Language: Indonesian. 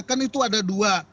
karena itu ada dua